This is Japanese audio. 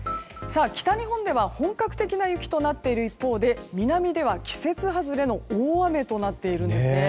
北日本では本格的な雪となっている一方で南では季節外れの大雨となっているんですね。